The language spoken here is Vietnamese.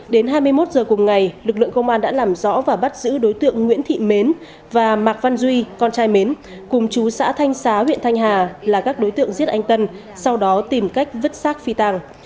đến hai mươi một h cùng ngày lực lượng công an đã làm rõ và bắt giữ đối tượng nguyễn thị mến và mạc văn duy con trai mến cùng chú xã thanh xá huyện thanh hà là các đối tượng giết anh tân sau đó tìm cách vứt xác phi tàng